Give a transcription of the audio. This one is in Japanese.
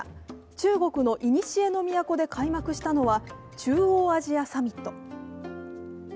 中国のいにしえの都で開幕したのは中央アジアサミット。